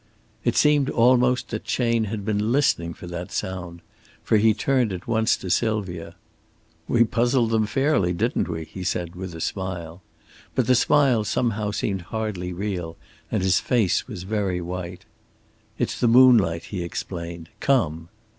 It seemed almost that Chayne had been listening for that sound. For he turned at once to Sylvia. "We puzzled them fairly, didn't we?" he said, with a smile. But the smile somehow seemed hardly real, and his face was very white. "It's the moonlight," he explained. "Come!"